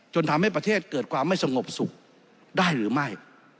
ทำให้ประเทศเกิดความไม่สงบสุขได้หรือไม่